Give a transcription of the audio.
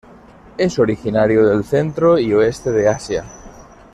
Es originario del centro y oeste de Asia.